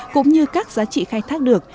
cũng như các giá trị khai thác được